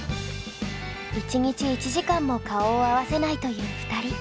１日１時間も顔を合わせないという２人。